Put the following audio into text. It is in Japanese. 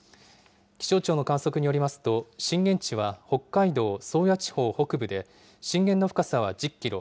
気象庁の観測によりますと震源地は北海道宗谷地方北部で震源の深さは１０キロ。